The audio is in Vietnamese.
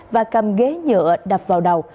và cầm ghế nhựa đập vào đầu